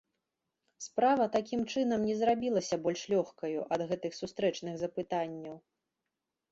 Справа такім чынам не зрабілася больш лёгкаю ад гэтых сустрэчных запытанняў.